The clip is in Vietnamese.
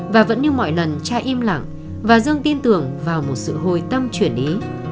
và vẫn như mọi lần cha im lặng và dương tin tưởng vào một sự hồi tâm chuyển ý